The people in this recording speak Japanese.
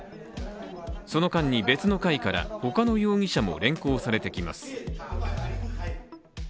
その間に別の階からほかの容疑者も連行されてきます。